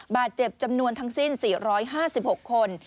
บาดเจ็บจำนวนทั้งสิ้น๔๕๖คน